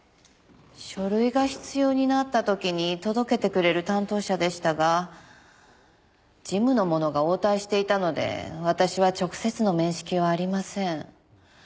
書類が必要になった時に届けてくれる担当者でしたが事務の者が応対していたので私は直接の面識はありません。